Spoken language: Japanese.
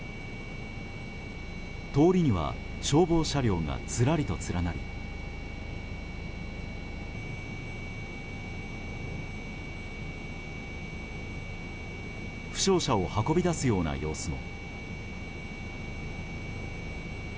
通りには消防車両がずらりと連なり負傷者を運び出すような様子も。